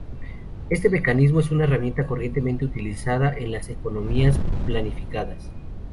Este mecanismo es una herramienta corrientemente utilizada en las economías planificadas.